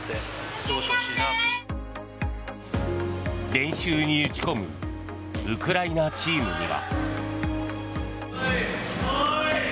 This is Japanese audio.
練習に打ち込むウクライナチームには。